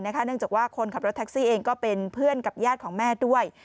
เนื่องจากว่าคนขับรถแท็กซี่เองก็เป็นเพื่อนกับญาติของแม่ด้วย